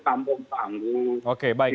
kampung panggung oke baik